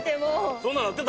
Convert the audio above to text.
そんななってた？